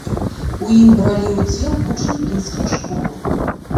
У ім бралі ўдзел вучні пінскіх школаў.